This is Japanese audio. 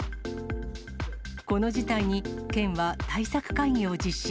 この事態に、県は対策会議を実施。